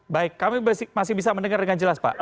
baik kami masih bisa mendengar dengan jelas pak